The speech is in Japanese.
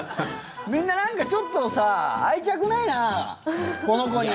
みんな、なんかちょっとさ愛着ないな、この子に。